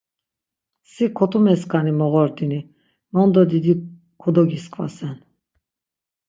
Si kotumeskani moğordini mondo didi kodogiskvasen.